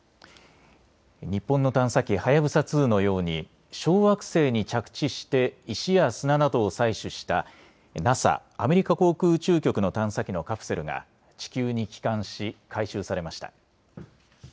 日本の探査機、はやぶさ２のように小惑星に着地して石や砂などを採取したＮＡＳＡ・アメリカ航空宇宙局の探査機のカプセルが地球に帰還し回収されました。